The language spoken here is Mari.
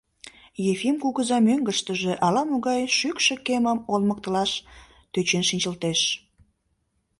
Ефим кугыза мӧҥгыштыжӧ ала-могай шӱкшӧ кемым олмыктылаш тӧчен шинчылтеш.